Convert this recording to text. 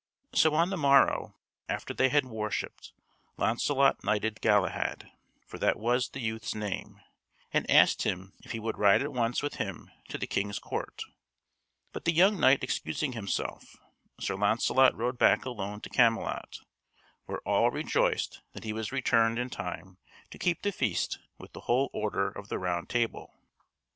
So on the morrow, after they had worshipped, Launcelot knighted Galahad for that was the youth's name and asked him if he would ride at once with him to the King's court; but the young knight excusing himself, Sir Launcelot rode back alone to Camelot, where all rejoiced that he was returned in time to keep the feast with the whole Order of the Round Table.